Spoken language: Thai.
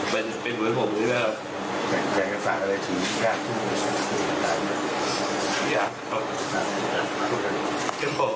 มันเป็นเหมือนผมเลยนะครับ